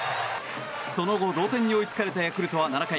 その後、同点に追いつかれたヤクルトは７回。